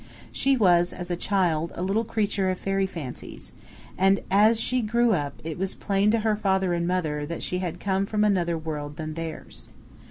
She was, as a child, a little creature of fairy fancies, and as she grew up it was plain to her father and mother that she had come from another world than theirs.